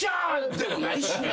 でもないしね。